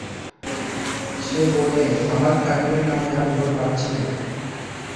সে বললে, আমার ঠাকুরের নামে আর জোর পাচ্ছি নে।